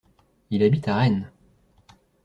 Il habite à Rennes.